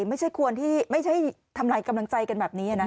ไม่ใช่ทำลายกำลังใจกันแบบนี้นะ